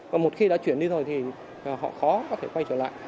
và một khi đã chuyển đi rồi thì họ khó có thể quay trở lại